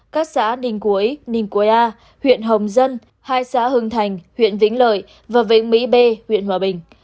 các xá ninh cuối ninh cuối a huyện hồng dân hai xá hưng thành huyện vĩnh lợi và vĩnh mỹ b huyện hòa bình